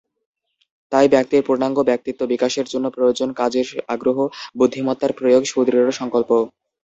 তাই ব্যক্তির পূর্ণাঙ্গ ব্যক্তিত্ব বিকাশের জন্য প্রয়োজন কাজের আগ্রহ, বুদ্ধিমত্তার প্রয়োগ, সুদৃঢ় সংকল্প।